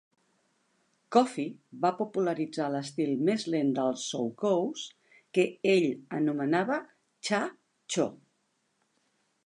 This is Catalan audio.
Koffi va popularitzar l'estil més lent del Soukous, que ell anomenava Tcha Tcho.